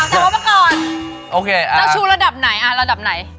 เจ้าชู้ระดับไหน